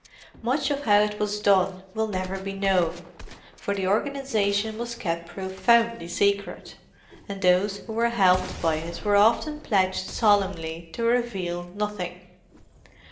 Much of how it was done will never be known, for the organization was kept profoundly secret, and those who were helped by it were often pledged solemnly to reveal nothing.